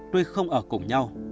tôi không ở cùng nhau